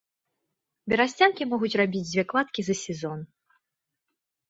Берасцянкі могуць рабіць дзве кладкі за сезон.